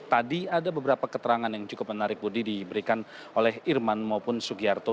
tadi ada beberapa keterangan yang cukup menarik budi diberikan oleh irman maupun sugiharto